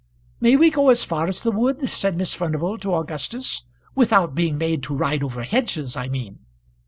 "May we go as far as the wood?" said Miss Furnival to Augustus. "Without being made to ride over hedges, I mean."